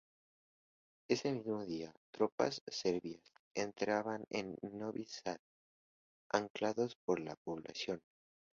Ese mismo día, tropas serbias entraban en Novi Sad, aclamados por la población.